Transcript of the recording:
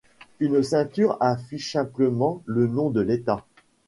Une ceinture affiche simplement le nom de l'État.